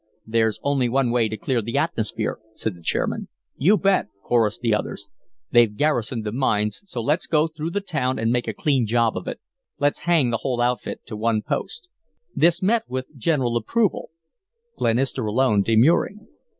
"There's only one way to clear the atmosphere," said the chairman. "You bet," chorussed the others. "They've garrisoned the mines, so let's go through the town and make a clean job of it. Let's hang the whole outfit to one post." This met with general approval, Glenister alone demurring.